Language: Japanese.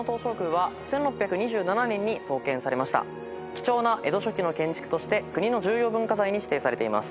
貴重な江戸初期の建築として国の重要文化財に指定されています。